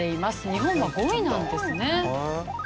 日本は５位なんですね。